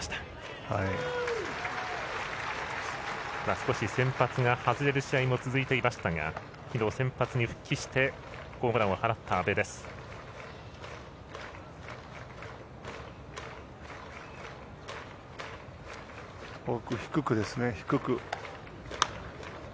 少し先発が外れる試合も続いていましたがきのう、先発に復帰してホームランを放った阿部です。